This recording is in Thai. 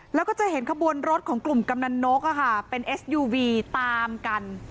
แล้วก็จะเห็นขบวนรถของกลุ่มกำนันนกเป็นเอสยูวีตามกัน